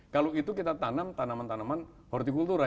kalau itu kita tanam tanaman tanaman horticultura